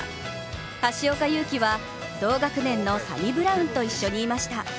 橋岡優輝は、同学年のサニブラウンと一緒にいました。